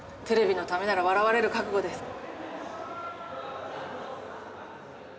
テレビのためなら笑われる覚悟です。